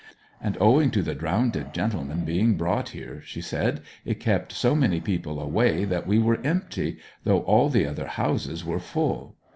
And owing to the drownded gentleman being brought here, she said, it kept so many people away that we were empty, though all the other houses were full.